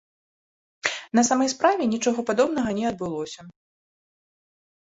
На самай справе, нічога падобнага не адбылося.